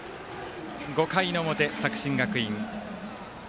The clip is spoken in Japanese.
５回の表、作新学院